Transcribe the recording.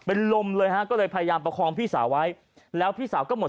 เป็นลมเลยฮะก็เลยพยายามประคองพี่สาวไว้แล้วพี่สาวก็หมด